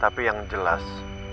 tapi yang jelas